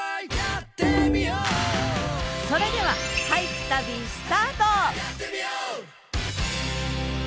それでは俳句旅スタート！